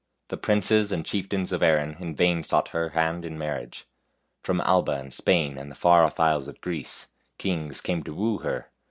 The princes and chieftains of Erin in vain sought her hand in marriage. From Alba and Spain, and the far off isles of Greece, kings came to woo her.